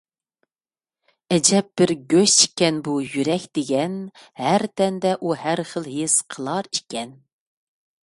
ئەجەب بىر گۆش ئىكەن بۇ يۈرەك دېگەن، ھەر تەندە ئۇ ھەرخىل ھېس قىلار ئىكەن.